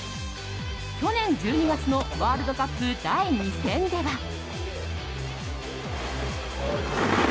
去年１２月のワールドカップ第２戦では。